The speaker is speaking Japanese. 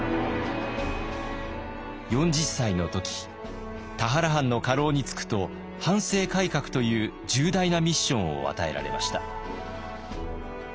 ４０歳の時田原藩の家老に就くと藩政改革という重大なミッションを与えられました。